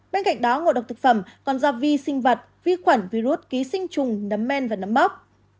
bên cạnh đó ngộ độc thực phẩm còn do vi sinh vật vi khuẩn virus ký sinh trùng nấm men và nấm bóc